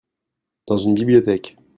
Dans une bibliothèque.